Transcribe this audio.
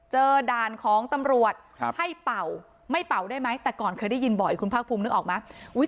ด่านของตำรวจให้เป่าไม่เป่าได้ไหมแต่ก่อนเคยได้ยินบ่อยคุณภาคภูมินึกออกไหม